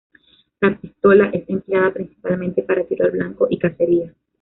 La pistola es empleada principalmente para tiro al blanco y cacería.